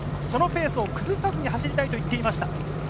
そのペースを崩さずに走りたいと言っていました。